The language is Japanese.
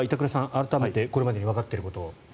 改めてこれまでにわかっていることを。